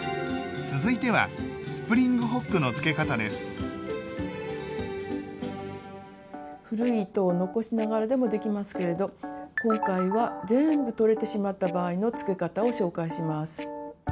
続いては古い糸を残しながらでもできますけれど今回は全部取れてしまった場合のつけ方を紹介します。